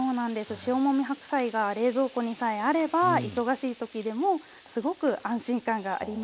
塩もみ白菜が冷蔵庫にさえあれば忙しい時でもすごく安心感があります。